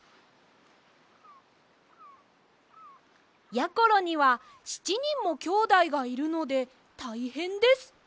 やころには７にんもきょうだいがいるのでたいへんです！